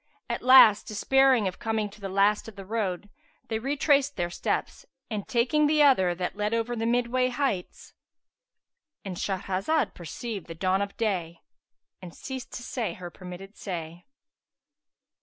[FN#378] At last, despairing of coming to the last of the road, they retraced their steps and, taking the other, that led over the midway heights,—And Shahrazad perceived the dawn of day and ceased to say her permitted say.